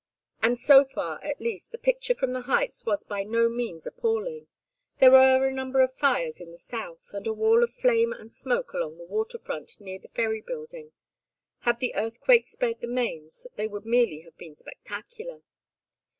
And so far, at least, the picture from the heights was by no means appalling. There were a number of fires in the south, and a wall of flame and smoke along the water front near the Ferry Building. Had the earthquake spared the mains they would merely have been spectacular.